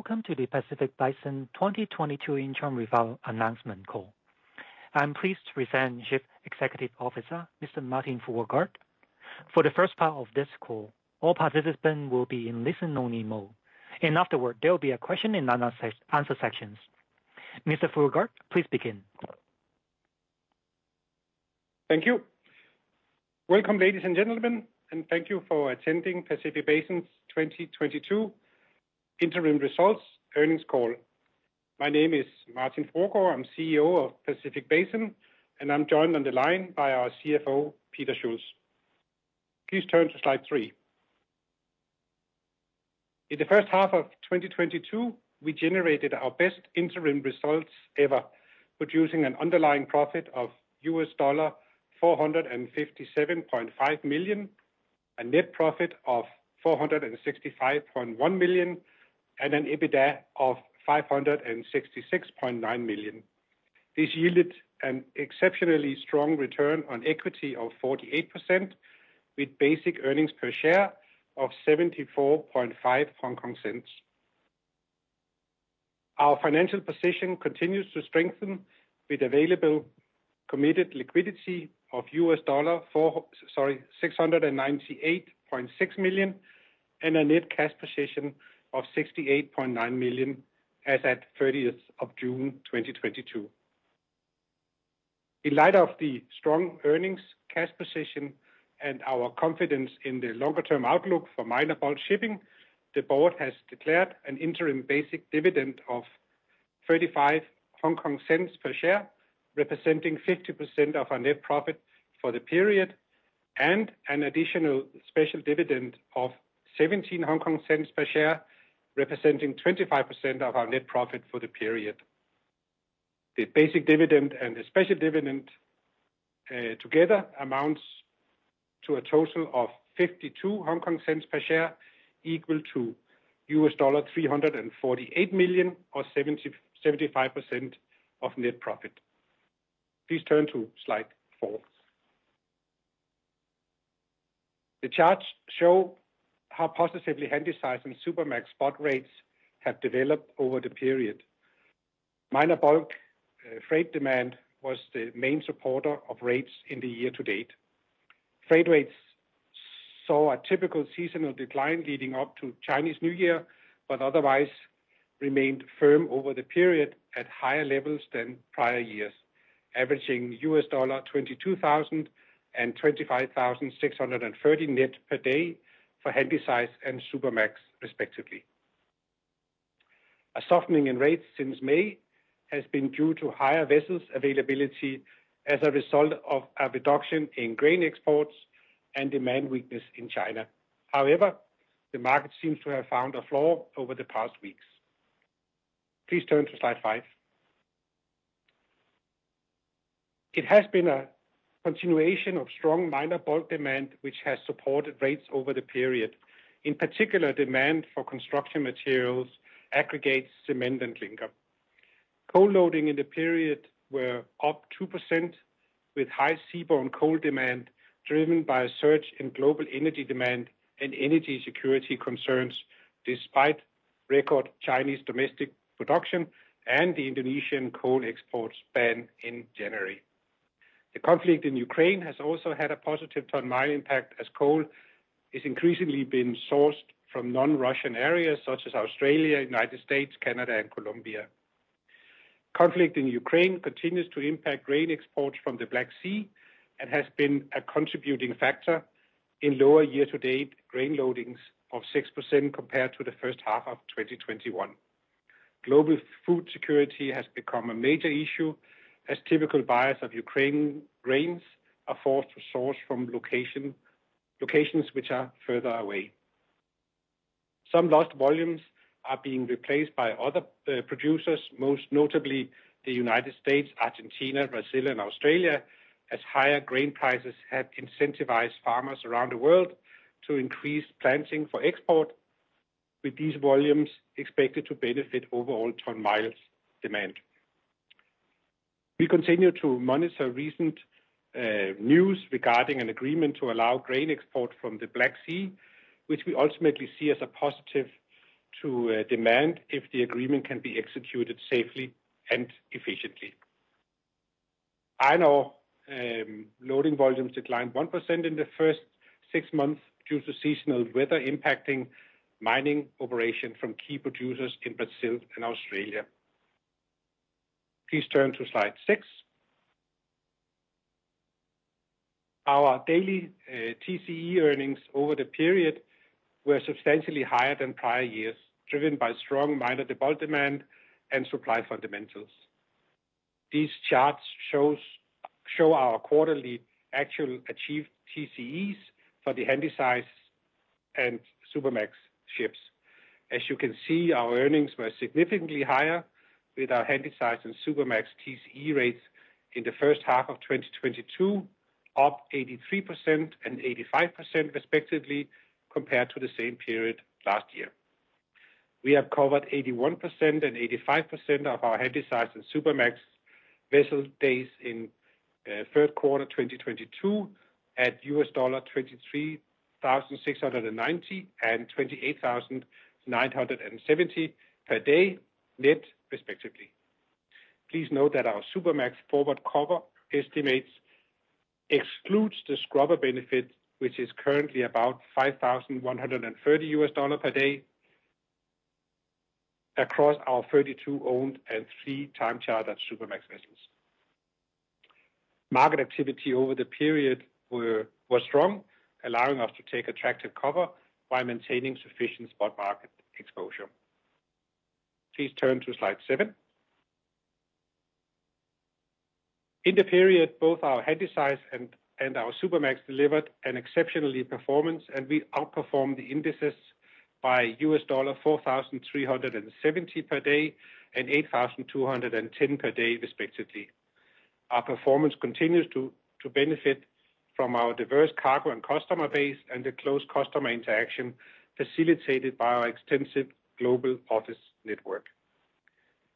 Welcome to the Pacific Basin 2022 interim review announcement call. I'm pleased to present Chief Executive Officer, Mr. Martin Fruergaard. For the first part of this call, all participants will be in listen only mode, and afterward there will be a question and answer sections. Mr. Fruergaard, please begin. Thank you. Welcome, ladies and gentlemen, and thank you for attending Pacific Basin's 2022 interim results earnings call. My name is Martin Fruergaard. I'm CEO of Pacific Basin, and I'm joined on the line by our CFO, Peter Schulz. Please turn to slide three. In the first half of 2022, we generated our best interim results ever, producing an underlying profit of $457.5 million, a net profit of $465.1 million, and an EBITDA of $566.9 million. This yielded an exceptionally strong return on equity of 48%, with basic earnings per share of 74.5. Our financial position continues to strengthen with available committed liquidity of $4... $698.6 million and a net cash position of $68.9 million as at 30th of June 2022. In light of the strong earnings cash position and our confidence in the longer term outlook for minor bulk shipping, the board has declared an interim basic dividend of 0.35 per share, representing 50% of our net profit for the period, and an additional special dividend of 0.17 per share, representing 25% of our net profit for the period. The basic dividend and the special dividend together amounts to a total of 0.52 per share, equal to $348 million or 75% of net profit. Please turn to slide four. The charts show how positively Handysize and Supramax spot rates have developed over the period. Minor bulk freight demand was the main supporter of rates in the year to date. Freight rates saw a typical seasonal decline leading up to Chinese New Year, but otherwise remained firm over the period at higher levels than prior years, averaging $22,000 and $25,630 net per day for Handysize and Supramax respectively. A softening in rates since May has been due to higher vessel availability as a result of a reduction in grain exports and demand weakness in China. However, the market seems to have found a floor over the past weeks. Please turn to slide five. It has been a continuation of strong minor bulk demand which has supported rates over the period. In particular, demand for construction materials, aggregates, cement and clinker. Coal loading in the period were up 2% with high seaborne coal demand driven by a surge in global energy demand and energy security concerns despite record Chinese domestic production and the Indonesian coal export ban in January. The conflict in Ukraine has also had a positive ton-mile impact as coal is increasingly being sourced from non-Russian areas such as Australia, United States, Canada and Colombia. Conflict in Ukraine continues to impact grain exports from the Black Sea and has been a contributing factor in lower year-to-date grain loadings of 6% compared to the first half of 2021. Global food security has become a major issue as typical buyers of Ukraine grains are forced to source from locations which are further away. Some lost volumes are being replaced by other producers, most notably the United States, Argentina, Brazil and Australia, as higher grain prices have incentivized farmers around the world to increase planting for export, with these volumes expected to benefit overall tonne-mile demand. We continue to monitor recent news regarding an agreement to allow grain export from the Black Sea, which we ultimately see as a positive to demand if the agreement can be executed safely and efficiently. Iron ore loading volumes declined 1% in the first six months due to seasonal weather impacting mining operation from key producers in Brazil and Australia. Please turn to slide six. Our daily TCE earnings over the period were substantially higher than prior years, driven by strong minor bulk demand and supply fundamentals. These charts show our quarterly actual achieved TCEs for the Handysize and Supramax ships. As you can see, our earnings were significantly higher with our Handysize and Supramax TCE rates in the first half of 2022, up 83% and 85% respectively compared to the same period last year. We have covered 81% and 85% of our Handysize and Supramax vessel days in third quarter 2022 at $23,690 and $28,970 per day net respectively. Please note that our Supramax forward cover estimates excludes the scrubber benefit, which is currently about $5,130 per day across our 32 owned and 3x charter Supramax vessels. Market activity over the period was strong, allowing us to take attractive cover while maintaining sufficient spot market exposure. Please turn to slide seven. In the period, both our Handysize and our Supramax delivered an exceptional performance, and we outperformed the indices by $4,300 per day and $8,210 per day, respectively. Our performance continues to benefit from our diverse cargo and customer base and the close customer interaction facilitated by our extensive global office network.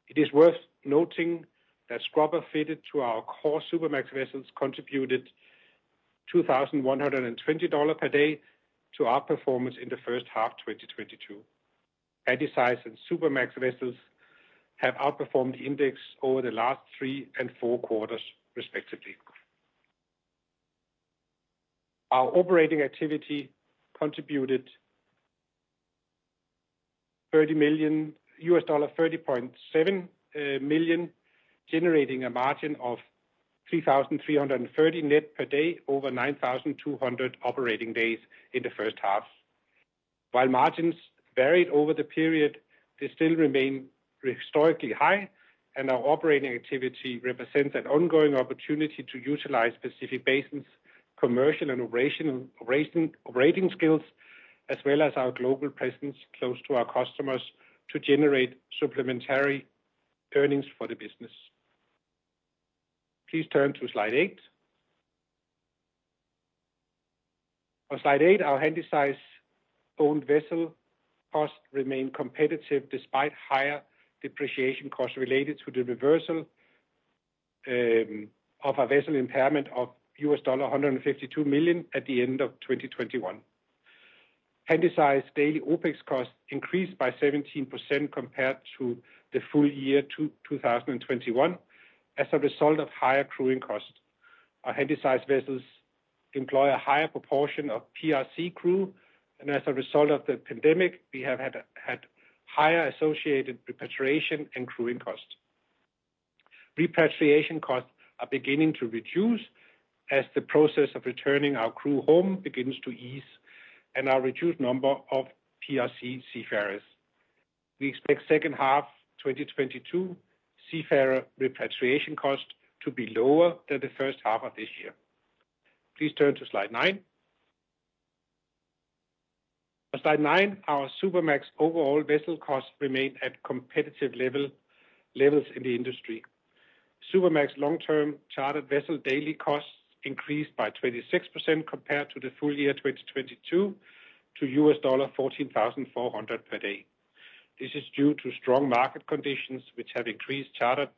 It is worth noting that scrubber fitted to our core Supramax vessels contributed $2,120 per day to our performance in the first half, 2022. Handysize and Supramax vessels have outperformed the index over the last three and four quarters, respectively. Our operating activity contributed $30 million, $30.7 million, generating a margin of $3,330 net per day over 9,200 operating days in the first half. While margins varied over the period, they still remain historically high, and our operating activity represents an ongoing opportunity to utilize Pacific Basin's commercial and operating skills, as well as our global presence close to our customers to generate supplementary earnings for the business. Please turn to slide eight. On slide eight, our Handysize owned vessel costs remain competitive despite higher depreciation costs related to the reversal of a vessel impairment of $152 million at the end of 2021. Handysize daily OpEx costs increased by 17% compared to the full year 2021 as a result of higher crewing costs. Our Handysize vessels employ a higher proportion of PRC crew, and as a result of the pandemic, we have had higher associated repatriation and crewing costs. Repatriation costs are beginning to reduce as the process of returning our crew home begins to ease and our reduced number of PRC seafarers. We expect second half 2022 seafarer repatriation costs to be lower than the first half of this year. Please turn to slide nine. On slide nine, our Supramax overall vessel costs remain at competitive levels in the industry. Supramax long-term chartered vessel daily costs increased by 26% compared to the full year 2022 to $14,400 per day. This is due to strong market conditions which have increased charter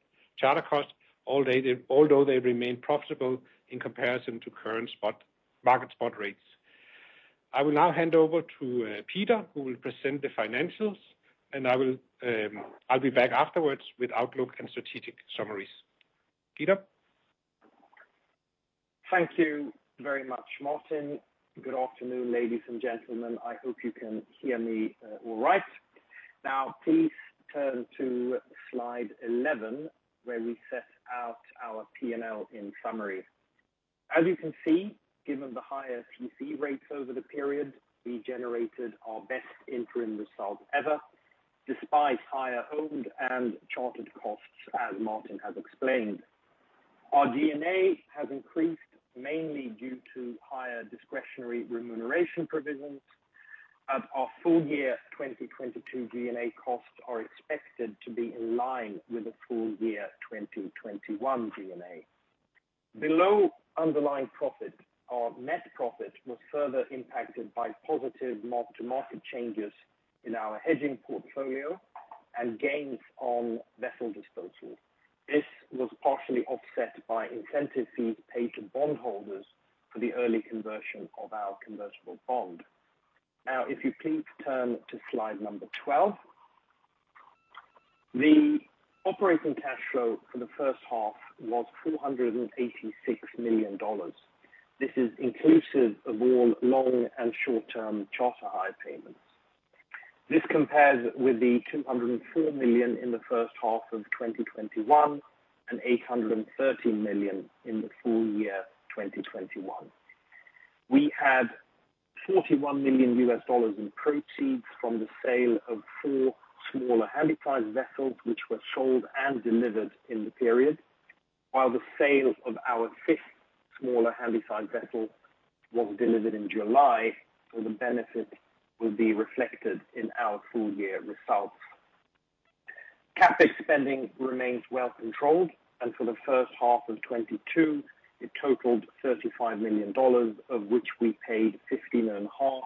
costs, although they remain profitable in comparison to current spot market rates. I will now hand over to Peter, who will present the financials, and I'll be back afterwards with outlook and strategic summaries. Peter. Thank you very much, Martin. Good afternoon, ladies and gentlemen. I hope you can hear me, all right. Now please turn to slide 11, where we set out our P&L in summary. As you can see, given the higher TCE rates over the period, we generated our best interim results ever, despite higher owned and chartered costs, as Martin has explained. Our G&A has increased mainly due to higher discretionary remuneration provisions. Our full year 2022 G&A costs are expected to be in line with the full year 2021 G&A. Below underlying profit, our net profit was further impacted by positive mark-to-market changes in our hedging portfolio and gains on vessel disposal. This was partially offset by incentive fees paid to bondholders for the early conversion of our convertible bond. Now if you please turn to slide number 12. The operating cash flow for the first half was $486 million. This is inclusive of all long and short-term charter hire payments. This compares with the $204 million in the first half of 2021 and $830 million in the full year, 2021. We had $41 million in proceeds from the sale of four smaller Handysize vessels which were sold and delivered in the period, while the sale of our fifth smaller Handysize vessel was delivered in July, and the benefit will be reflected in our full year results. CapEx spending remains well controlled, and for the first half of 2022, it totaled $35 million, of which we paid $15.5 million for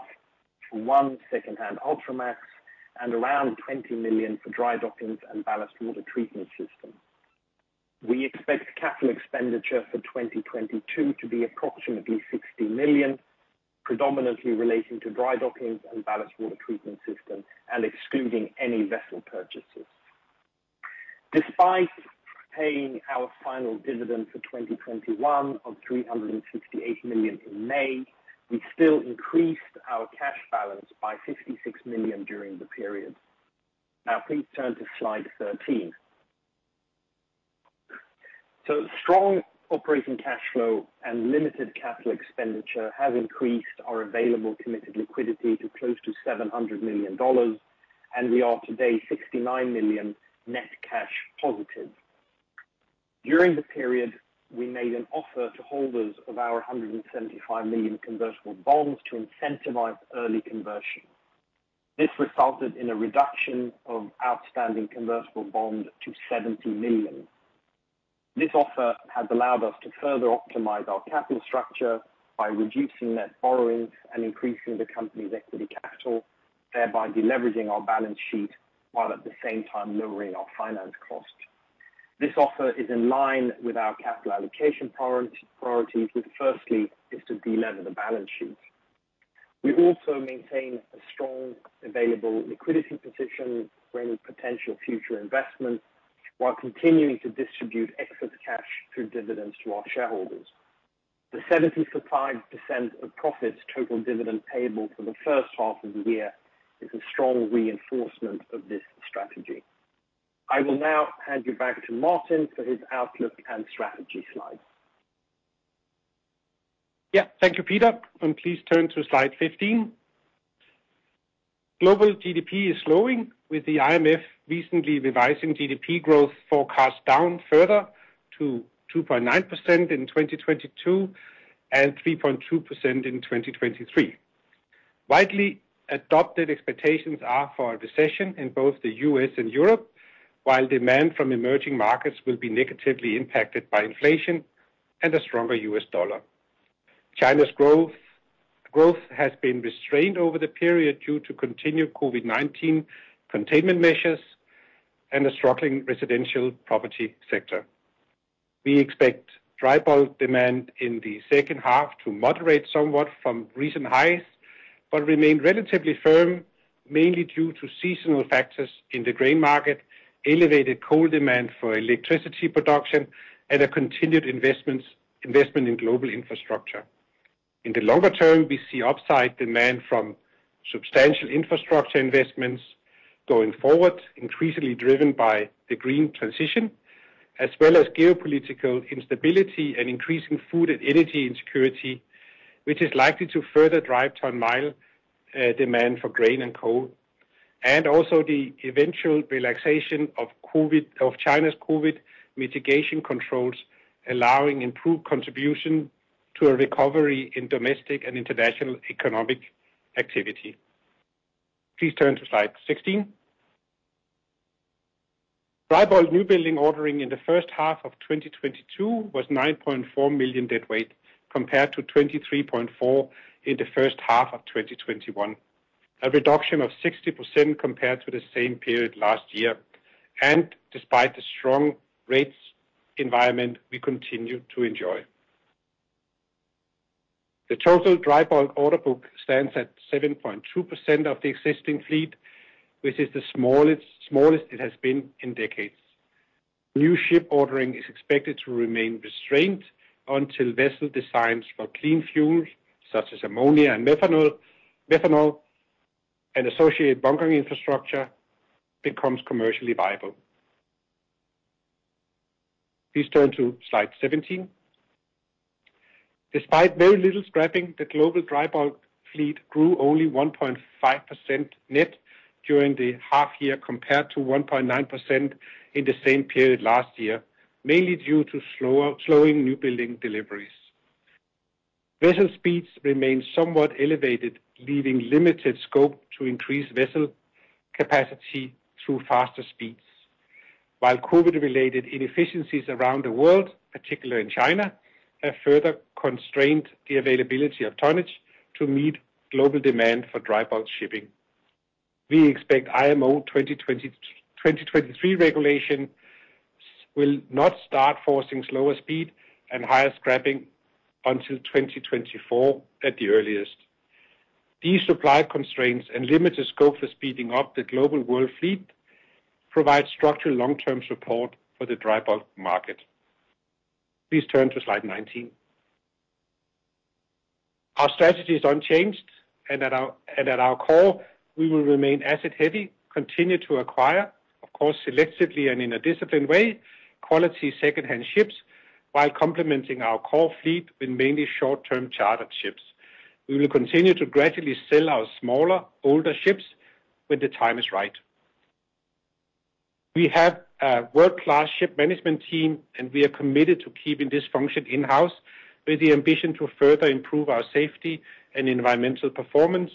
one secondhand Ultramax and around $20 million for dry docking and ballast water treatment system. We expect capital expenditure for 2022 to be approximately $60 million, predominantly relating to dry docking and ballast water treatment system and excluding any vessel purchases. Despite paying our final dividend for 2021 of $368 million in May, we still increased our cash balance by $56 million during the period. Now please turn to slide 13. Strong operating cash flow and limited capital expenditure have increased our available committed liquidity to close to $700 million, and we are today $69 million net cash positive. During the period, we made an offer to holders of our $175 million convertible bonds to incentivize early conversion. This resulted in a reduction of outstanding convertible bond to $70 million. This offer has allowed us to further optimize our capital structure by reducing net borrowings and increasing the company's equity capital, thereby de-leveraging our balance sheet while at the same time lowering our finance cost. This offer is in line with our capital allocation priorities, which firstly is to de-lever the balance sheet. We also maintain a strong available liquidity position for any potential future investment while continuing to distribute excess cash through dividends to our shareholders. The 75% of profits total dividend payable for the first half of the year is a strong reinforcement of this strategy. I will now hand you back to Martin for his outlook and strategy slides. Yeah. Thank you, Peter, and please turn to slide 15. Global GDP is slowing with the IMF recently revising GDP growth forecast down further to 2.9% in 2022, and 3.2% in 2023. Widely adopted expectations are for a recession in both the U.S. and Europe, while demand from emerging markets will be negatively impacted by inflation and a stronger U.S. dollar. China's growth has been restrained over the period due to continued COVID-19 containment measures and a struggling residential property sector. We expect dry bulk demand in the second half to moderate somewhat from recent highs, but remain relatively firm, mainly due to seasonal factors in the grain market, elevated coal demand for electricity production, and a continued investment in global infrastructure. In the longer term, we see upside demand from substantial infrastructure investments going forward, increasingly driven by the green transition, as well as geopolitical instability and increasing food and energy insecurity, which is likely to further drive tonne-mile demand for grain and coal, and also the eventual relaxation of China's COVID mitigation controls, allowing improved contribution to a recovery in domestic and international economic activity. Please turn to slide 16. Dry bulk new building ordering in the first half of 2022 was 9.4 million deadweight compared to 23.4 million in the first half of 2021. A reduction of 60% compared to the same period last year. Despite the strong rates environment we continue to enjoy. The total dry bulk order book stands at 7.2% of the existing fleet, which is the smallest it has been in decades. New ship ordering is expected to remain restrained until vessel designs for clean fuels such as ammonia and methanol and associated bunkering infrastructure becomes commercially viable. Please turn to slide 17. Despite very little scrapping, the global dry bulk fleet grew only 1.5% net during the half year compared to 1.9% in the same period last year, mainly due to slower, slowing new building deliveries. Vessel speeds remain somewhat elevated, leaving limited scope to increase vessel capacity through faster speeds. While COVID-related inefficiencies around the world, particularly in China, have further constrained the availability of tonnage to meet global demand for dry bulk shipping. We expect IMO 2023 regulations will not start forcing slower speed and higher scrapping until 2024 at the earliest. These supply constraints and limited scope for speeding up the global fleet provide structural long-term support for the dry bulk market. Please turn to slide 19. Our strategy is unchanged, and at our core, we will remain asset heavy, continue to acquire, of course selectively and in a disciplined way, quality second-hand ships while complementing our core fleet with mainly short-term chartered ships. We will continue to gradually sell our smaller, older ships when the time is right. We have a world-class ship management team, and we are committed to keeping this function in-house with the ambition to further improve our safety and environmental performance,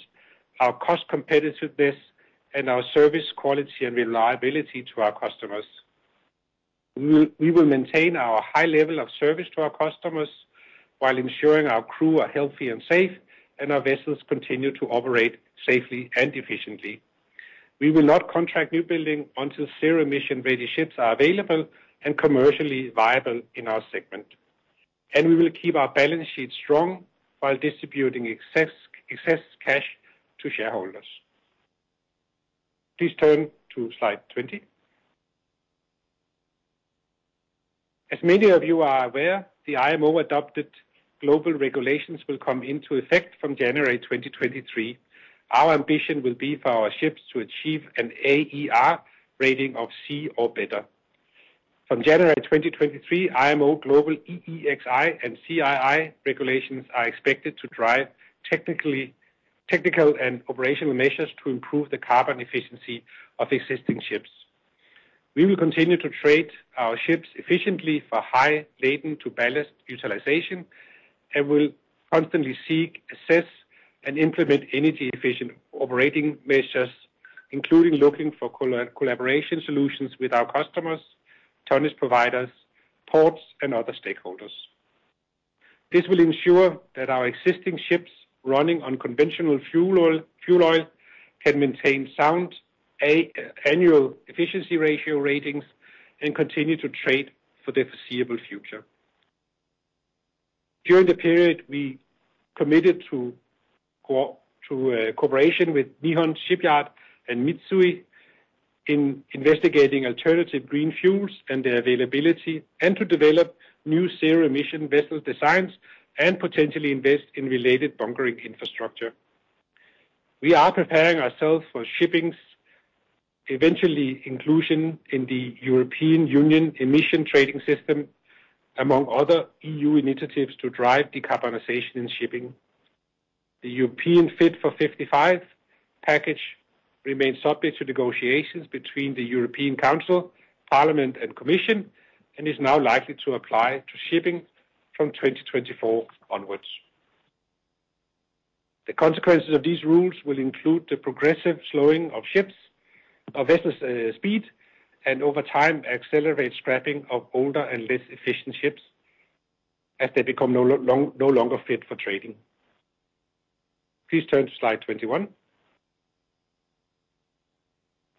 our cost competitiveness, and our service quality and reliability to our customers. We will maintain our high level of service to our customers while ensuring our crew are healthy and safe and our vessels continue to operate safely and efficiently. We will not contract newbuildings until zero-emission ready ships are available and commercially viable in our segment. We will keep our balance sheet strong while distributing excess cash to shareholders. Please turn to slide 20. As many of you are aware, the IMO-adopted global regulations will come into effect from January 2023. Our ambition will be for our ships to achieve an AER rating of C or better. From January 2023, IMO global EEXI and CII regulations are expected to drive technical and operational measures to improve the carbon efficiency of existing ships. We will continue to trade our ships efficiently for high laden-to-ballast utilization and will constantly seek, assess, and implement energy efficient operating measures, including looking for collaboration solutions with our customers, tonnage providers, ports, and other stakeholders. This will ensure that our existing ships running on conventional fuel oil can maintain sound annual efficiency ratio ratings and continue to trade for the foreseeable future. During the period, we committed to cooperation with Nihon Shipyard and Mitsui in investigating alternative green fuels and their availability, and to develop new zero-emission vessel designs and potentially invest in related bunkering infrastructure. We are preparing ourselves for shipping's eventual inclusion in the European Union Emissions Trading System, among other E.U. initiatives to drive decarbonization in shipping. The European Fit for 55 package remains subject to negotiations between the European Council, European Parliament, and European Commission, and is now likely to apply to shipping from 2024 onwards. The consequences of these rules will include the progressive slowing of ships' speed, and over time, accelerate scrapping of older and less efficient ships as they become no longer fit for trading. Please turn to slide 21.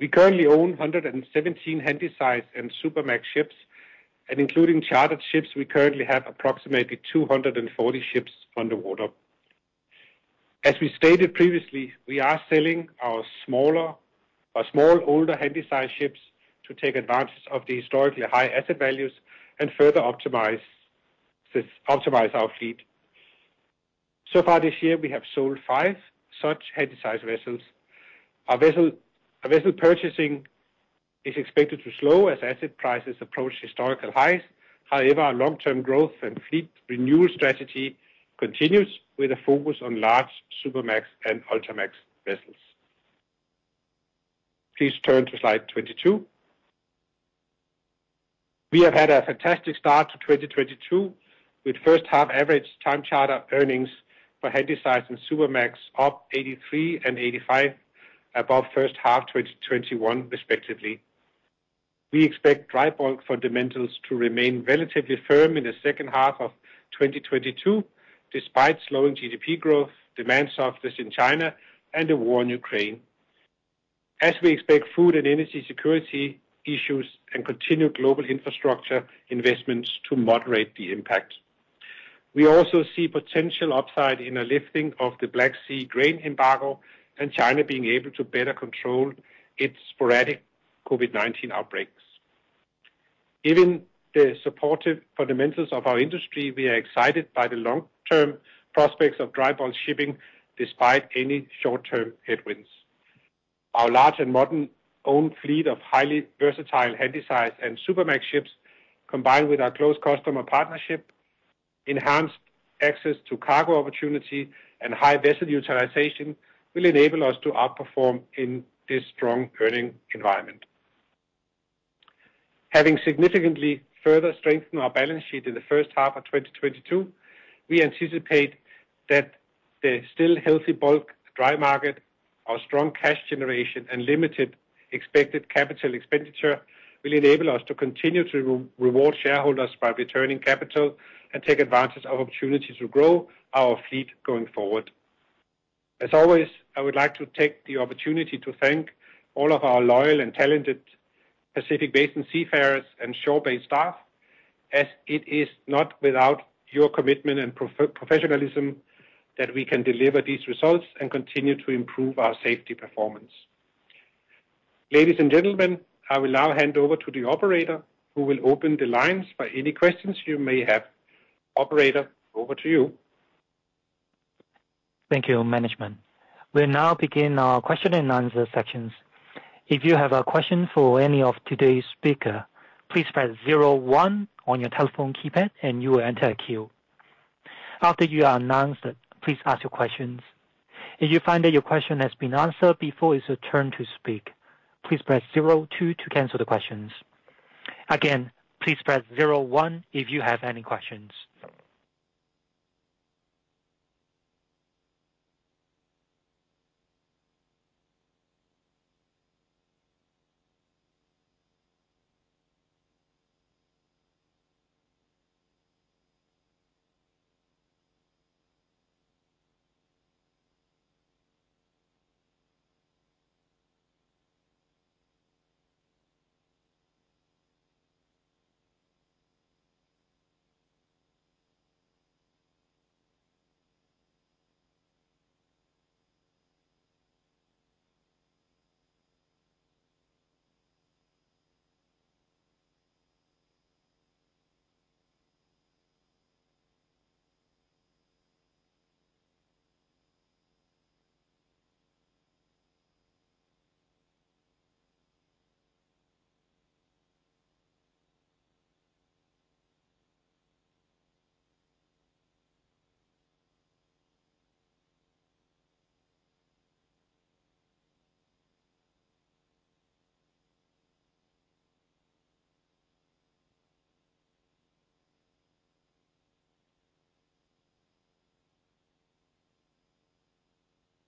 We currently own 117 Handysize and Supramax ships, and including chartered ships, we currently have approximately 240 ships on the water. As we stated previously, we are selling our smaller or small older Handysize ships to take advantage of the historically high asset values and further optimize our fleet. So far this year we have sold five such Handysize vessels. Our vessel purchasing is expected to slow as asset prices approach historical highs. However, our long-term growth and fleet renewal strategy continues with a focus on large Supramax and Ultramax vessels. Please turn to slide 22. We have had a fantastic start to 2022, with first half average time charter earnings for Handysize and Supramax up 83% and 85% above first half 2021 respectively. We expect dry bulk fundamentals to remain relatively firm in the second half of 2022, despite slowing GDP growth, demand softness in China, and the war in Ukraine, as we expect food and energy security issues and continued global infrastructure investments to moderate the impact. We also see potential upside in a lifting of the Black Sea grain embargo and China being able to better control its sporadic COVID-19 outbreaks. Given the supportive fundamentals of our industry, we are excited by the long-term prospects of dry bulk shipping despite any short-term headwinds. Our large and modern own fleet of highly versatile Handysize and Supramax ships, combined with our close customer partnership, enhanced access to cargo opportunity, and high vessel utilization, will enable us to outperform in this strong earning environment. Having significantly further strengthened our balance sheet in the first half of 2022, we anticipate that the still healthy bulk dry market, our strong cash generation, and limited expected capital expenditure will enable us to continue to reward shareholders by returning capital and take advantage of opportunities to grow our fleet going forward. As always, I would like to take the opportunity to thank all of our loyal and talented Pacific Basin seafarers and shore-based staff, as it is not without your commitment and professionalism that we can deliver these results and continue to improve our safety performance. Ladies and gentlemen, I will now hand over to the operator who will open the lines for any questions you may have. Operator, over to you. Thank you, management. We'll now begin our question and answer sections. If you have a question for any of today's speaker, please press zero one on your telephone keypad and you will enter a queue. After you are announced, please ask your questions. If you find that your question has been answered before it's your turn to speak, please press zero two to cancel the questions. Again, please press zero one if you have any questions.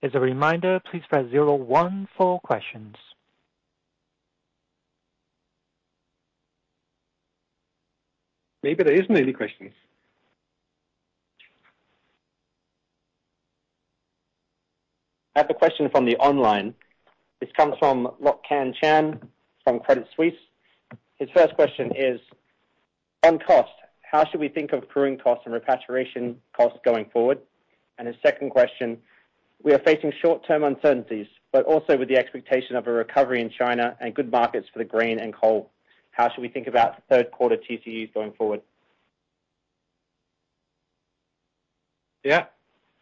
As a reminder, please press zero one for questions. Maybe there isn't any questions. I have a question from the online. This comes from Lok Kan Chan from Credit Suisse. His first question is, on cost, how should we think of crewing costs and repatriation costs going forward? His second question, we are facing short-term uncertainties, but also with the expectation of a recovery in China and good markets for the grain and coal. How should we think about third quarter TCEs going forward? Yeah.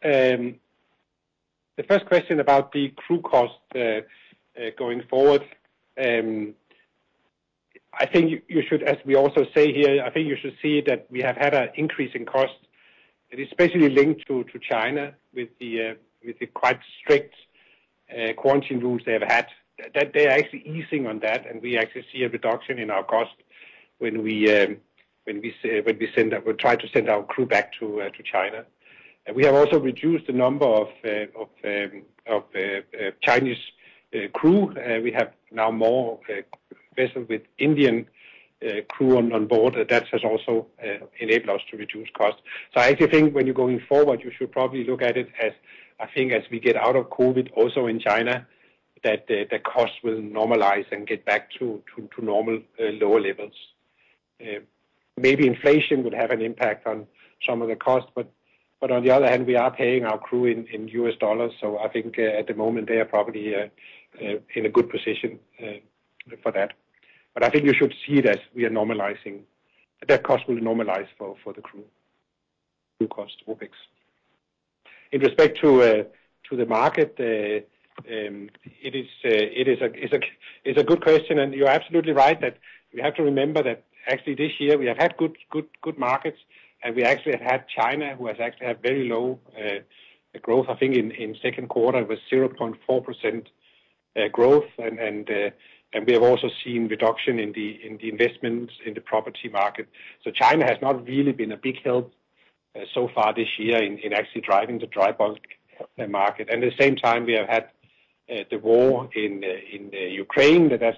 The first question about the crew cost going forward, I think you should, as we also say here, I think you should see that we have had an increase in cost, and especially linked to China with the quite strict quarantine rules they have had. That they are actually easing on that, and we actually see a reduction in our cost when we try to send our crew back to China. We have also reduced the number of Chinese crew. We have now more of a vessel with Indian crew on board. That has also enabled us to reduce costs. I actually think when you're going forward, you should probably look at it as, I think as we get out of COVID also in China, that the cost will normalize and get back to normal lower levels. Maybe inflation would have an impact on some of the costs, but on the other hand, we are paying our crew in U.S. dollars, so I think at the moment they are probably in a good position for that. I think you should see it as we are normalizing. That cost will normalize for the crew. Crew cost, OpEx. In respect to the market, it is a good question, and you're absolutely right that we have to remember that actually this year we have had good markets, and we actually have had China, who has actually had very low growth. I think in second quarter it was 0.4% growth. We have also seen reduction in the investments in the property market. China has not really been a big help so far this year in actually driving the dry bulk market. At the same time, we have had the war in Ukraine that has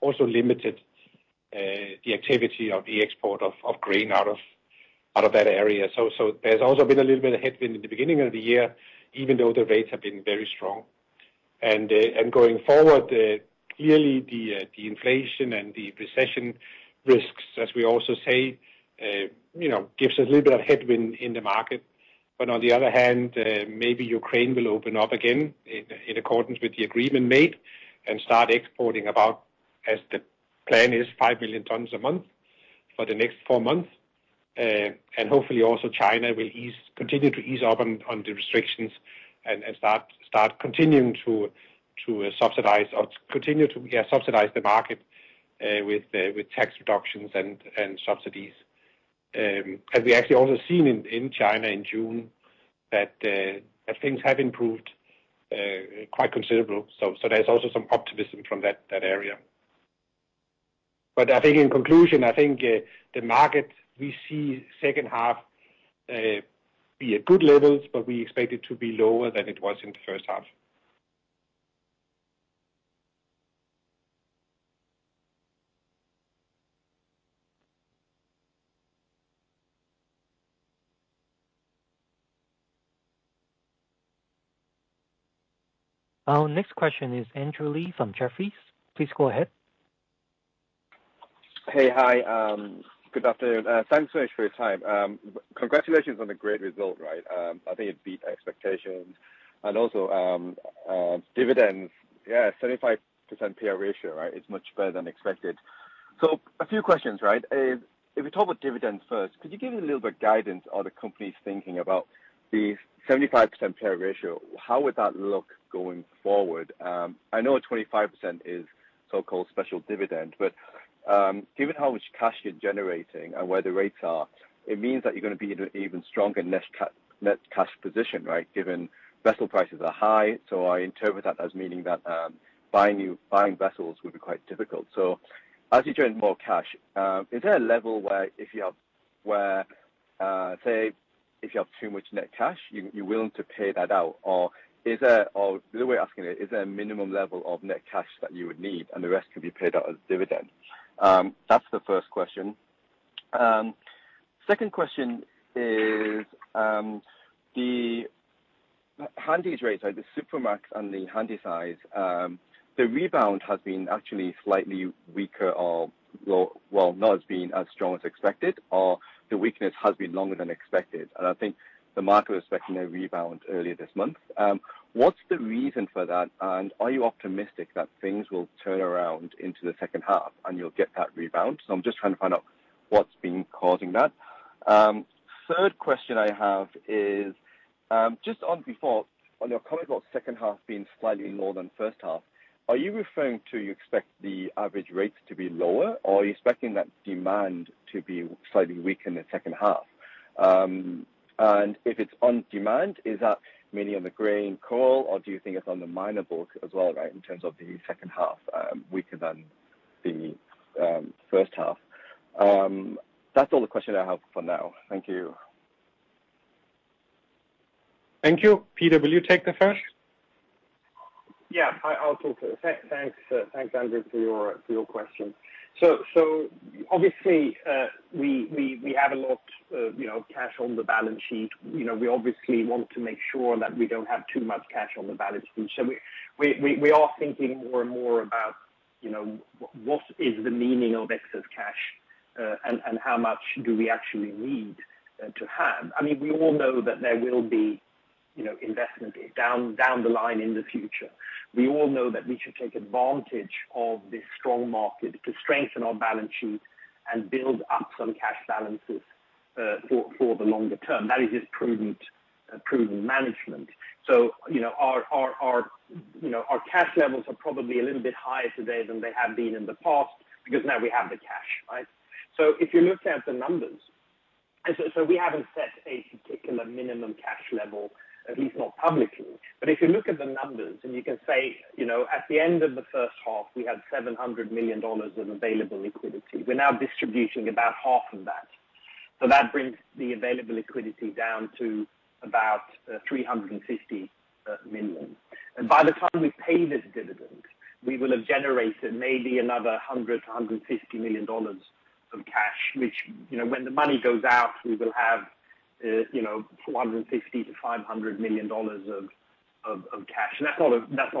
also limited the activity of the export of grain out of that area. There's also been a little bit of headwind in the beginning of the year, even though the rates have been very strong. Going forward, clearly the inflation and the recession risks, as we also say, you know, gives us a little bit of headwind in the market. On the other hand, maybe Ukraine will open up again in accordance with the agreement made, and start exporting about, as the plan is, five million tonnes a month for the next four months. Hopefully also China will continue to ease up on the restrictions and start continuing to subsidize or continue to subsidize the market with tax reductions and subsidies. As we actually also seen in China in June that things have improved quite considerable. There's also some optimism from that area. I think in conclusion, the market we see second half be at good levels, but we expect it to be lower than it was in the first half. Our next question is Andrew Lee from Jefferies. Please go ahead. Hey. Hi. Good afternoon. Thanks so much for your time. Congratulations on the great result, right? I think it beat expectations. Also, dividends. Yeah, 75% payout ratio, right? It's much better than expected. A few questions, right? If we talk about dividends first, could you give me a little bit guidance on the company's thinking about the 75% payout ratio? How would that look going forward? I know 25% is so-called special dividend, but given how much cash you're generating and where the rates are, it means that you're gonna be in an even stronger net cash position, right? Given vessel prices are high. I interpret that as meaning that buying new vessels would be quite difficult. As you generate more cash, is there a level where if you have too much net cash, you're willing to pay that out. Or the other way of asking it, is there a minimum level of net cash that you would need and the rest can be paid out as dividends? That's the first question. Second question is, the Handysize rates, like the Supramax and the Handysize, the rebound has been actually slightly weaker or, well, not as strong as expected, or the weakness has been longer than expected. I think the market was expecting a rebound earlier this month. What's the reason for that? Are you optimistic that things will turn around into the second half and you'll get that rebound? I'm just trying to find out what's been causing that. Third question I have is just on before, on your comment about second half being slightly more than first half, are you referring to you expect the average rates to be lower, or are you expecting that demand to be slightly weaker in the second half? If it's on demand, is that mainly on the grain call, or do you think it's on the minor bulk as well, right, in terms of the second half weaker than the first half? That's all the questions I have for now. Thank you. Thank you. Peter, will you take the first? Thanks, Andrew, for your questions. Obviously, we have a lot, you know, cash on the balance sheet. You know, we obviously want to make sure that we don't have too much cash on the balance sheet. We are thinking more and more about, you know, what is the meaning of excess cash, and how much do we actually need to have. I mean, we all know that there will be, you know, investment down the line in the future. We all know that we should take advantage of this strong market to strengthen our balance sheet and build up some cash balances for the longer term. That is just prudent management. You know, our cash levels are probably a little bit higher today than they have been in the past because now we have the cash, right? If you look at the numbers, we haven't set a particular minimum cash level, at least not publicly. But if you look at the numbers and you can say, you know, at the end of the first half, we had $700 million of available liquidity. We're now distributing about half of that. That brings the available liquidity down to about $350 million. By the time we pay this dividend, we will have generated maybe another $100 million-$150 million of cash, which, you know, when the money goes out, we will have, you know, $450 million-$500 million of cash. That's not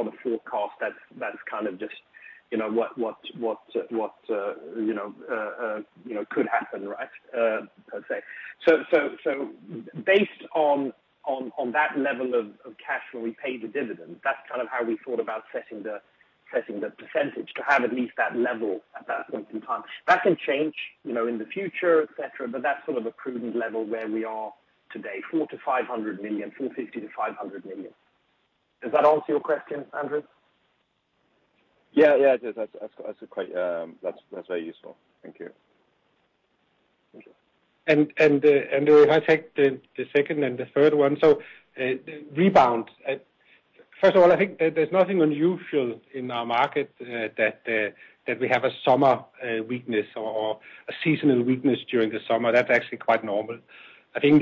a forecast. That's kind of just, you know, what you know could happen, right? I'd say. Based on that level of cash when we pay the dividend, that's kind of how we thought about setting the percentage to have at least that level at that point in time. That can change, you know, in the future, et cetera, but that's sort of a prudent level where we are today, $400 million-$500 million, $450 million-$500 million. Does that answer your question, Andrew? Yeah, it does. That's quite, that's very useful. Thank you. Thank you. If I take the second and the third one. Rebound. First of all, I think there's nothing unusual in our market that we have a summer weakness or a seasonal weakness during the summer. That's actually quite normal. I think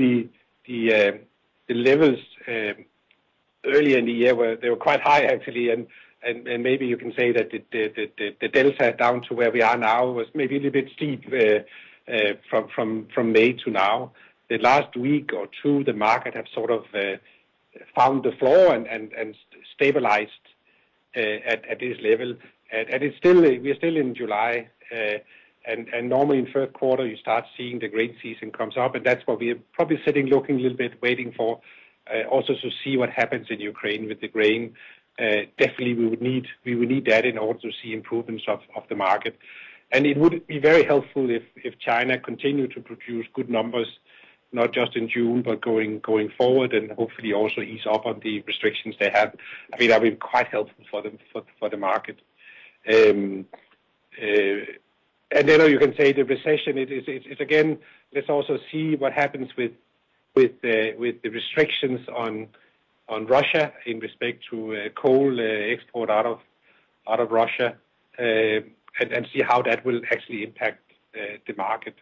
the levels early in the year were quite high, actually. Maybe you can say that the delta down to where we are now was maybe a little bit steep from May to now. The last week or two, the market have sort of found the floor and stabilized at this level. It's still. We are still in July. Normally in third quarter, you start seeing the grain season comes up, and that's what we are probably sitting, looking a little bit, waiting for, also to see what happens in Ukraine with the grain. Definitely we would need that in order to see improvements of the market. It would be very helpful if China continued to produce good numbers, not just in June, but going forward, and hopefully also ease off on the restrictions they have. I mean, that'd be quite helpful for the market. You can say the recession. It's again. Let's also see what happens with the restrictions on Russia in respect to coal export out of Russia and see how that will actually impact the market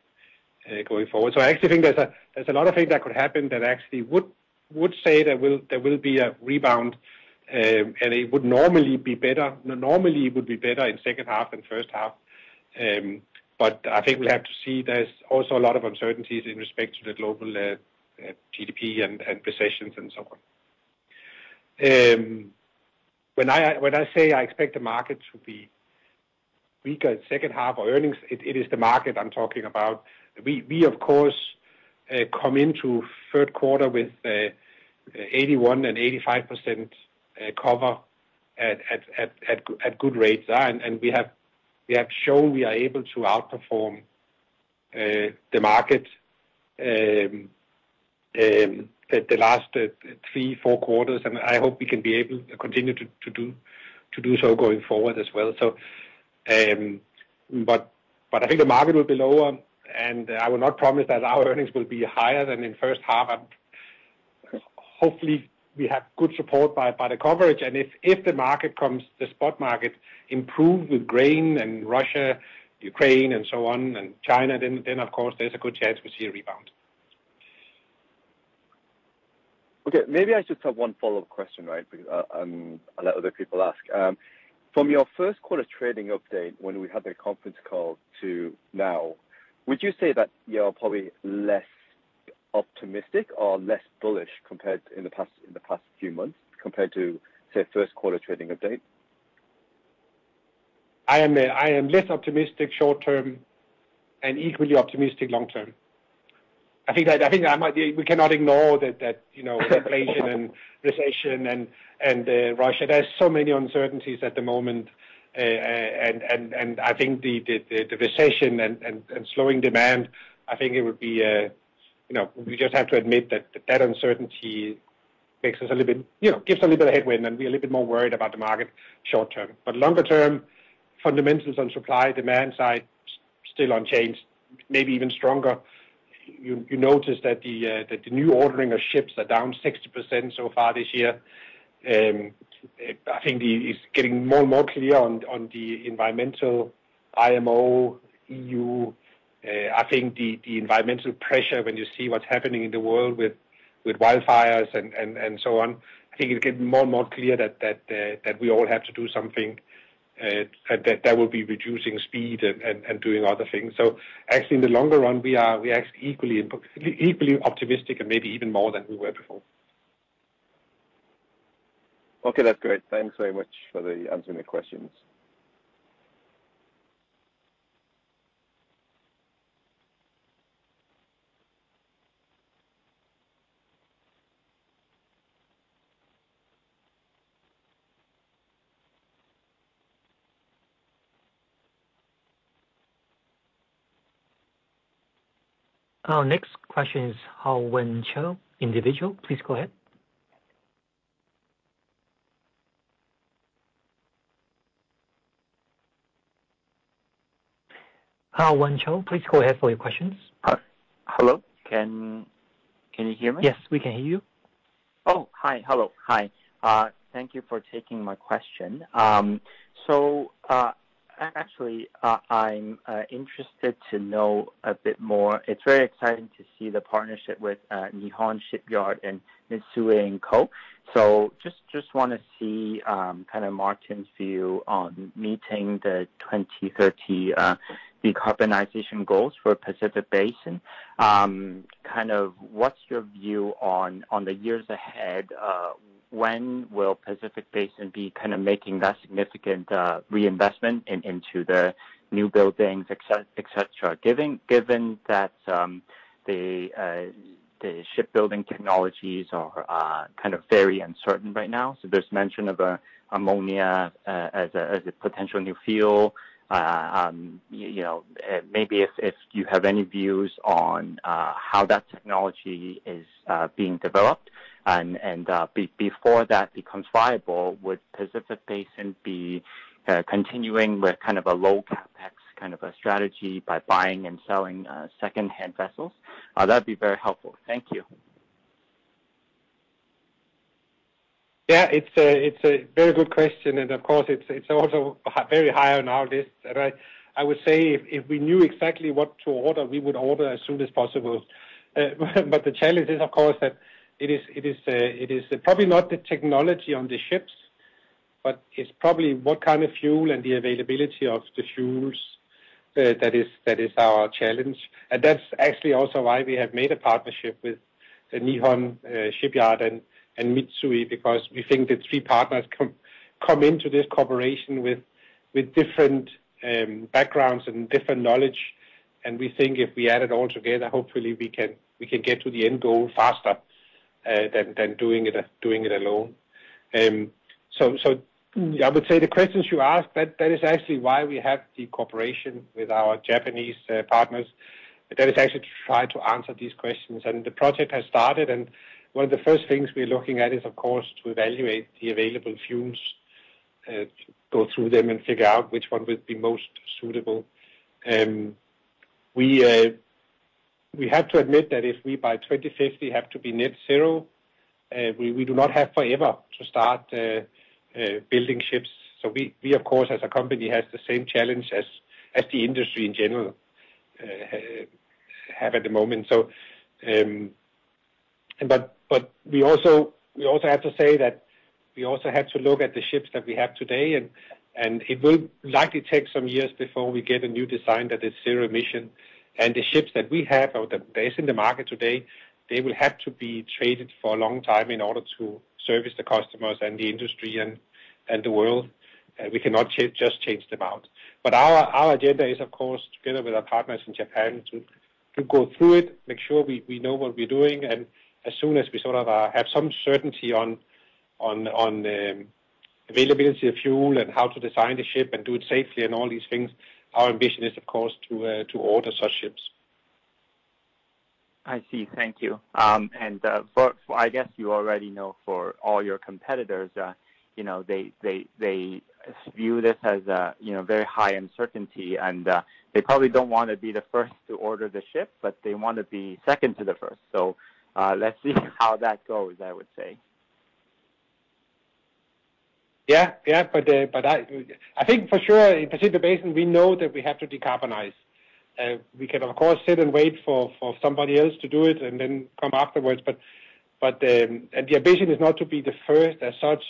going forward. I actually think there's a lot of things that could happen that actually would say there will be a rebound, and it would normally be better. Normally it would be better in second half than first half. I think we'll have to see. There's also a lot of uncertainties in respect to the global GDP and recessions and so on. When I say I expect the market to be weaker in second half for earnings, it is the market I'm talking about. We of course come into third quarter with 81%-85% coverage at good rates. We have shown we are able to outperform the market at the last three, four quarters, and I hope we can be able to continue to do so going forward as well. I think the market will be lower, and I will not promise that our earnings will be higher than in first half. Hopefully we have good support by the coverage. If the market comes, the spot market improve with grain and Russia, Ukraine and so on, and China, then of course there's a good chance we see a rebound. Okay, maybe I just have one follow-up question, right? Because, I'll let other people ask. From your first quarter trading update when we had the conference call to now, would you say that you are probably less optimistic or less bullish compared in the past few months compared to, say, first quarter trading update? I am less optimistic short term and equally optimistic long term. I think we cannot ignore that, you know, inflation and recession and Russia. There are so many uncertainties at the moment. I think the recession and slowing demand, I think it would be, you know, we just have to admit that uncertainty makes us a little bit, you know, gives a little bit of headwind and be a little bit more worried about the market short term. Longer term fundamentals on supply demand side still unchanged, maybe even stronger. You notice that the new ordering of ships are down 60% so far this year. I think it's getting more and more clear on the environmental IMO, E.U. I think the environmental pressure when you see what's happening in the world with wildfires and so on. I think it's getting more and more clear that we all have to do something, and that will be reducing speed and doing other things. Actually in the longer run we're actually equally optimistic and maybe even more than we were before. Okay. That's great. Thanks very much for answering the questions. Our next question is Haowen Zhou, individual. Please go ahead. Haowen Zhou, please go ahead for your questions. Hello? Can you hear me? Yes, we can hear you. Oh, hi. Hello. Hi. Thank you for taking my question. Actually, I'm interested to know a bit more. It's very exciting to see the partnership with Nihon Shipyard and Mitsui & Co. Just wanna see kind of Martin's view on meeting the 2030 decarbonization goals for Pacific Basin. Kind of what's your view on the years ahead? When will Pacific Basin be kind of making that significant reinvestment into the new buildings, etcetera, given that the shipbuilding technologies are kind of very uncertain right now? There's mention of ammonia as a potential new fuel. You know, maybe if you have any views on how that technology is being developed and before that becomes viable, would Pacific Basin be continuing with kind of a low CapEx kind of a strategy by buying and selling second-hand vessels? That'd be very helpful. Thank you. Yeah, it's a very good question. Of course, it's also very high on our list, right? I would say if we knew exactly what to order, we would order as soon as possible. The challenge is of course that it is probably not the technology on the ships, but it's probably what kind of fuel and the availability of the fuels that is our challenge. That's actually also why we have made a partnership with the Nihon Shipyard and Mitsui, because we think the three partners come into this cooperation with different backgrounds and different knowledge. We think if we add it all together, hopefully we can get to the end goal faster than doing it alone. I would say the questions you ask, that is actually why we have the cooperation with our Japanese partners. That is actually to try to answer these questions. The project has started, and one of the first things we're looking at is of course to evaluate the available fuels, to go through them and figure out which one would be most suitable. We have to admit that if we by 2050 have to be net zero, we do not have forever to start building ships. We of course as a company has the same challenge as the industry in general have at the moment. but we also have to say that we also have to look at the ships that we have today, and it will likely take some years before we get a new design that is zero emission. The ships that we have or that there is in the market today, they will have to be traded for a long time in order to service the customers and the industry and the world. We cannot just change them out. Our agenda is of course, together with our partners in Japan to go through it, make sure we know what we're doing, and as soon as we sort of have some certainty on availability of fuel and how to design the ship and do it safely and all these things, our ambition is of course to order such ships. I see. Thank you. I guess you already know for all your competitors, you know, they view this as, you know, very high uncertainty and, they probably don't wanna be the first to order the ship, but they wanna be second to the first. Let's see how that goes, I would say. Yeah, yeah. But I think for sure in Pacific Basin, we know that we have to decarbonize. We can of course sit and wait for somebody else to do it and then come afterwards, but the ambition is not to be the first as such.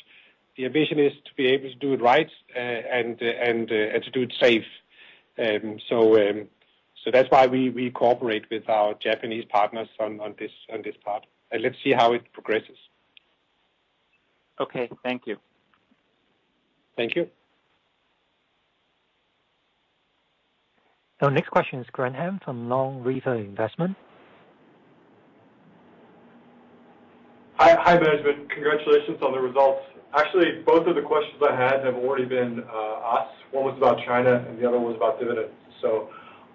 The ambition is to be able to do it right and to do it safe. That's why we cooperate with our Japanese partners on this part. Let's see how it progresses. Okay, thank you. Thank you. Our next question is Graham from Long Retail Investment. Hi, management. Congratulations on the results. Actually, both of the questions I had have already been asked. One was about China, and the other one's about dividends.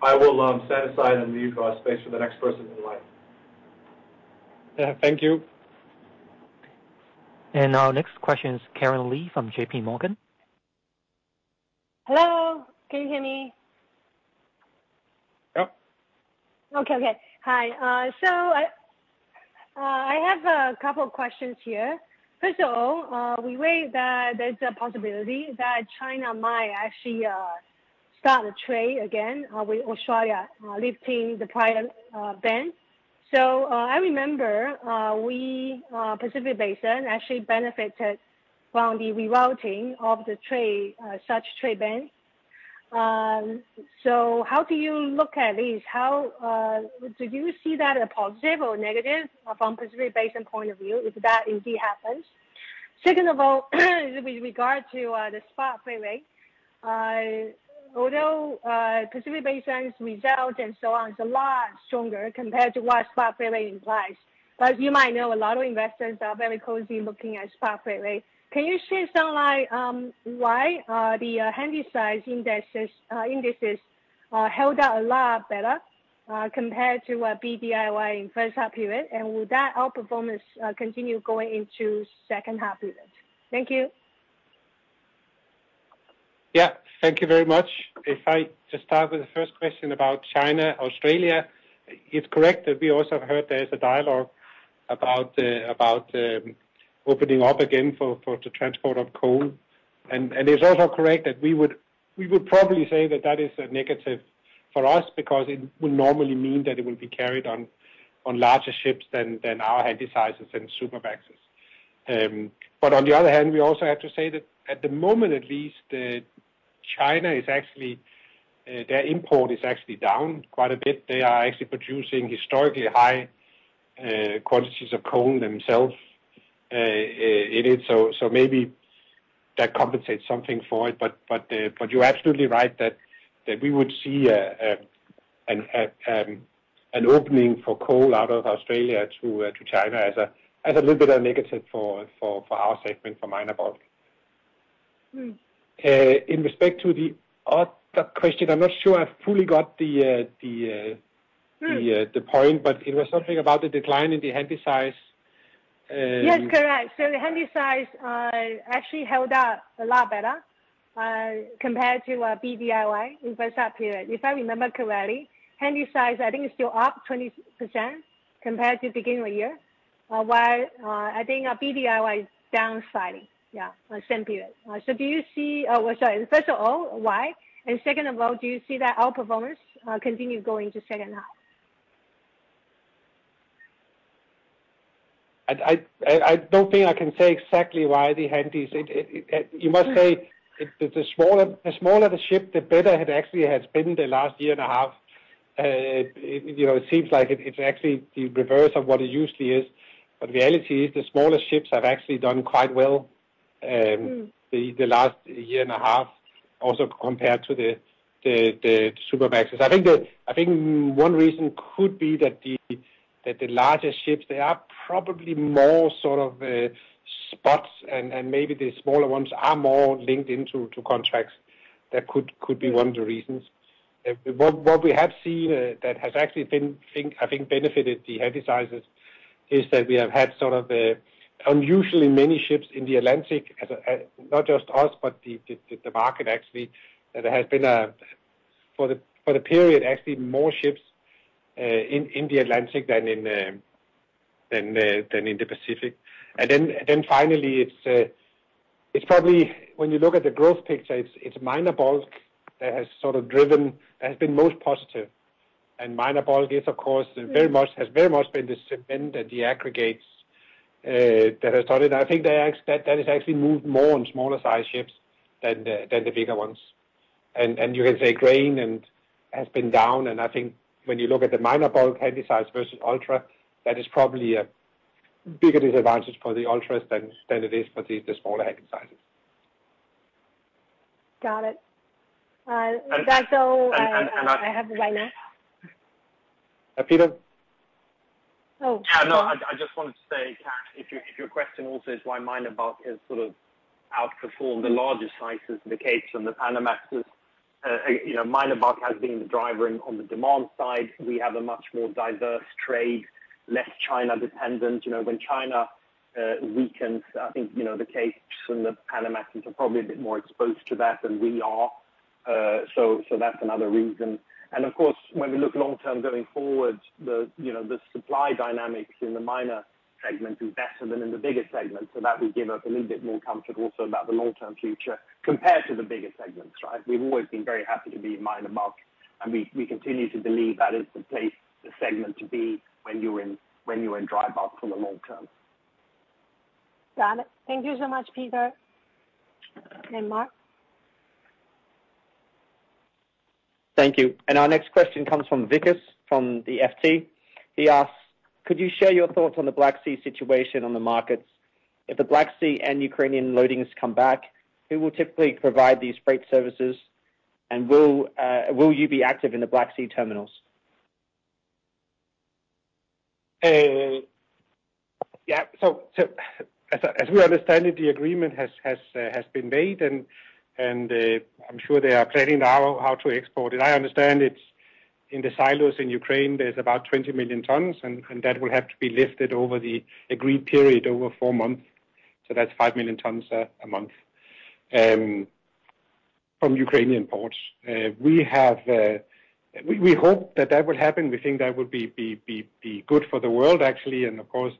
I will set aside and leave space for the next person in line. Yeah, thank you. Our next question is Karen Li from JP Morgan. Hello, can you hear me? Yep. I have a couple questions here. First of all, we see that there's a possibility that China might actually start a trade again with Australia lifting the prior ban. I remember Pacific Basin actually benefited from the rerouting of the trade such trade ban. How do you look at this? How do you see that as a positive or negative from Pacific Basin's point of view if that indeed happens? Second of all, with regard to the spot freight rate, although Pacific Basin's result and so on is a lot stronger compared to what spot freight rate implies, as you might know, a lot of investors are very closely looking at spot freight rate. Can you shed some light, why the Handysize indices held out a lot better compared to a BDIY in first half period? Will that outperformance continue going into second half period? Thank you. Yeah. Thank you very much. If I just start with the first question about China, Australia, it's correct that we also heard there's a dialogue about opening up again for the transport of coal. It's also correct that we would probably say that that is a negative for us because it would normally mean that it will be carried on larger ships than our handy sizes and Supermaxes. But on the other hand, we also have to say that at the moment at least, China is actually their import is actually down quite a bit. They are actually producing historically high quantities of coal themselves inland. Maybe that compensates something for it. You're absolutely right that we would see an opening for coal out of Australia to China as a little bit of negative for our segment for minor bulk. Mm. In respect to the other question, I'm not sure I've fully got the. Mm. The point, but it was something about the decline in the Handysize. Yes, correct. The Handysize actually held up a lot better compared to BDIY in first half period. If I remember correctly, Handysize I think is still up 20% compared to beginning of the year, while I think BDIY is down slightly, yeah, on same period. First of all, why? Second of all, do you see that outperformance continue going to second half? I don't think I can say exactly why the Handysize. You must say the smaller the ship, the better it actually has been the last year and a half. You know, it seems like it's actually the reverse of what it usually is. Reality is the smaller ships have actually done quite well. Mm. The last year and a half also compared to the Supramaxes. I think one reason could be that the larger ships, they are probably more sort of spot and maybe the smaller ones are more linked into contracts. That could be one of the reasons. What we have seen that has actually been, I think, benefited the Handysize is that we have had sort of unusually many ships in the Atlantic, not just us, but the market actually. There has been, for the period, actually more ships in the Atlantic than in the Pacific. Finally, it's probably when you look at the growth picture, it's minor bulk that has sort of driven, has been most positive. Minor bulk is of course very much been the cement and the aggregates that has started. I think that has actually moved more on smaller size ships than the bigger ones. You can say grain has been down. I think when you look at the minor bulk Handysize versus Ultramax, that is probably a bigger disadvantage for the Ultramaxes than it is for the smaller Handysizes. Got it. That's all. And, and- I have right now. Peter? Oh. Yeah, no, I just wanted to say, Karen, if your question also is why minor bulk is sort of outperformed the larger sizes in the Capes and the Panamaxes is, you know, minor bulk has been the driver on the demand side. We have a much more diverse trade, less China dependent. You know, when China weakens, I think, you know, the Capes and the Panamaxes are probably a bit more exposed to that than we are. That's another reason. Of course, when we look long term going forward, the supply dynamics in the minor segment is better than in the bigger segment, so that would give us a little bit more comfortable about the long-term future compared to the bigger segments, right? We've always been very happy to be in minor bulk, and we continue to believe that is the place, the segment to be when you're in dry bulk for the long term. Got it. Thank you so much, Peter. Martin. Thank you. Our next question comes from Vikas from the FT. He asks, "Could you share your thoughts on the Black Sea situation on the markets? If the Black Sea and Ukrainian loadings come back, who will typically provide these freight services? Will you be active in the Black Sea terminals? Yeah. As we understand it, the agreement has been made and I'm sure they are planning now how to export it. I understand it's in the silos in Ukraine, there's about 20 million tonnes, and that will have to be lifted over the agreed period over four months, so that's five million tonnes a month from Ukrainian ports. We hope that will happen. We think that would be good for the world, actually. Of course,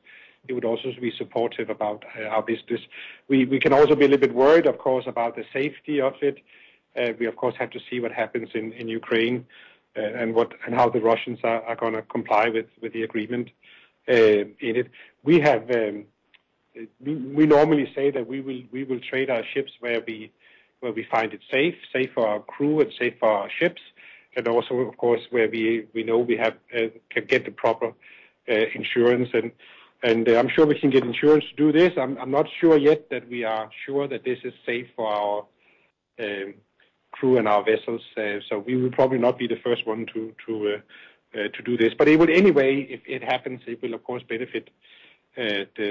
it would also be supportive about our business. We can also be a little bit worried, of course, about the safety of it. We of course have to see what happens in Ukraine and how the Russians are gonna comply with the agreement in it. We normally say that we will trade our ships where we find it safe for our crew and safe for our ships. Also, of course, where we know we can get the proper insurance. I'm sure we can get insurance to do this. I'm not sure yet that we are sure that this is safe for our crew and our vessels. We will probably not be the first one to do this. It would anyway, if it happens, it will of course benefit the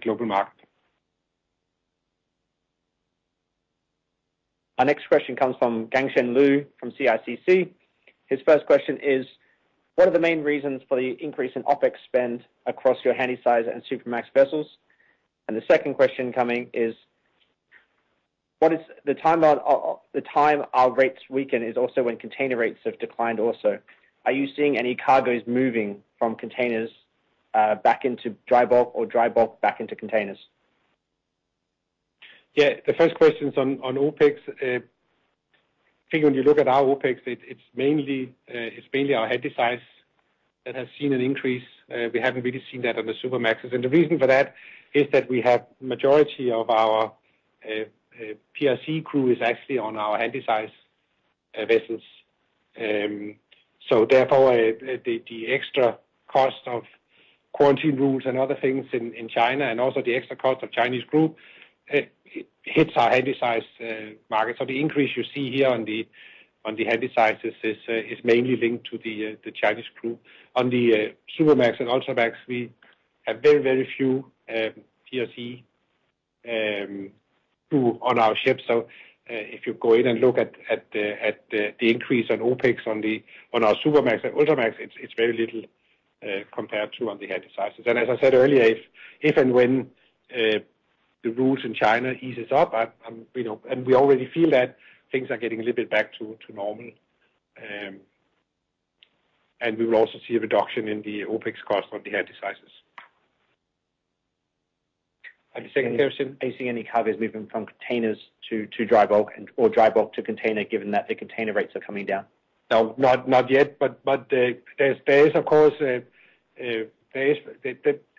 global market. Our next question comes from Gangxian Liu from CICC. His first question is, "What are the main reasons for the increase in OpEx spend across your Handysize and Supramax vessels?" The second question coming is, "What is the timeline or the time our rates weaken is also when container rates have declined also. Are you seeing any cargoes moving from containers back into dry bulk or dry bulk back into containers? Yeah, the first question's on OpEx. I think when you look at our OpEx, it's mainly our Handysize that has seen an increase. We haven't really seen that on the Supramaxes. The reason for that is that we have majority of our PRC crew is actually on our Handysize vessels. Therefore, the extra cost of quarantine rules and other things in China and also the extra cost of Chinese crew hits our Handysize market. The increase you see here on the Handysizes is mainly linked to the Chinese crew. On the Supramax and Ultramax, we have very, very few PRC crew on our ships. If you go in and look at the increase on OpEx on our Supramax and Ultramax, it's very little compared to on the Handysizes. As I said earlier, if and when the rules in China eases up, you know. We already feel that things are getting a little bit back to normal. We will also see a reduction in the OpEx cost on the Handysizes. The second question, are you seeing any cargoes moving from containers to dry bulk and, or dry bulk to container, given that the container rates are coming down? No, not yet, but there is of course there is.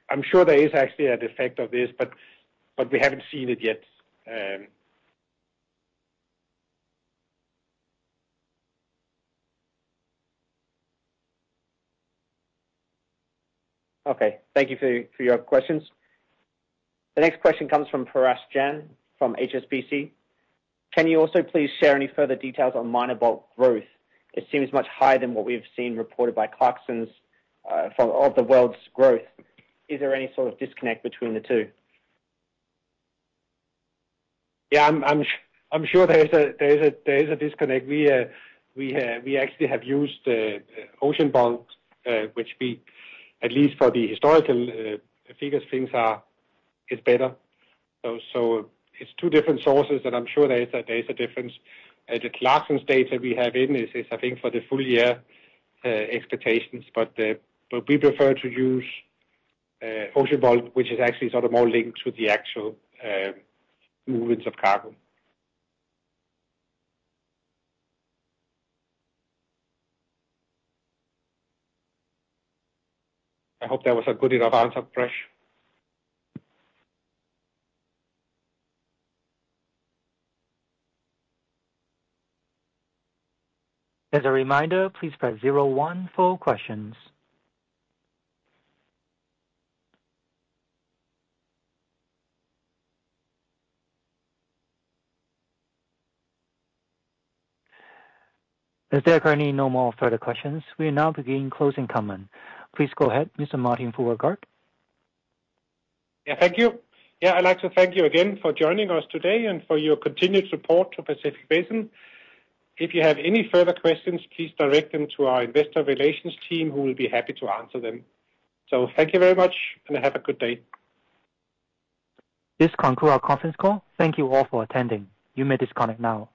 I'm sure there is actually an effect of this, but we haven't seen it yet. Okay. Thank you for your questions. The next question comes from Parash Jain from HSBC. "Can you also please share any further details on minor bulk growth? It seems much higher than what we've seen reported by Clarksons for all the world's growth. Is there any sort of disconnect between the two? Yeah, I'm sure there is a disconnect. We actually have used Oceanbolt, which we at least for the historical figures is better. It's two different sources, and I'm sure there is a difference. The Clarksons data we have is, I think, for the full year expectations. We prefer to use Oceanbolt, which is actually sort of more linked to the actual movements of cargo. I hope that was a good enough answer, Paras. As a reminder, please press zero one for questions. As there are currently no more further questions, we now begin closing comment. Please go ahead, Mr. Martin Fruergaard. Yeah, thank you. Yeah, I'd like to thank you again for joining us today and for your continued support to Pacific Basin. If you have any further questions, please direct them to our investor relations team, who will be happy to answer them. Thank you very much, and have a good day. This concludes our conference call. Thank you all for attending. You may disconnect now.